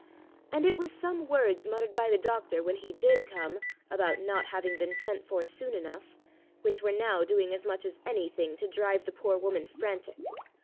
And it was some words muttered by the doctor when he did come, about not having been sent for soon enough, which were now doing as much as any thing to drive the poor woman frantic.